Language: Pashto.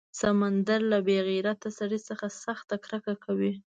سمندر له بې غیرته سړي څخه سخته کرکه کوي.